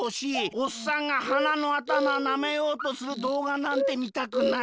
「おっさんがはなのあたまなめようとするどうがなんてみたくない」。